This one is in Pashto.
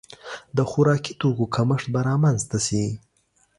د خوراکي توکو کمښت به رامنځته شي.